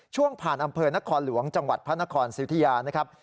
ช่วงผ่านอำเภอนครหลวงจังหวัดพระนครสิทธิยานะครับ